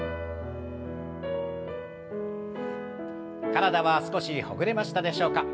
体は少しほぐれましたでしょうか？